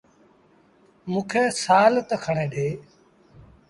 موݩ سآل تا کڻي ڏي۔